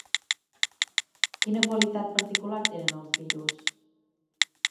Quina qualitat particular tenen els virus?